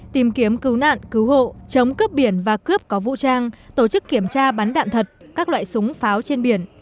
tìm kiếm cứu nạn cứu hộ chống cướp biển và cướp có vũ trang tổ chức kiểm tra bắn đạn thật các loại súng pháo trên biển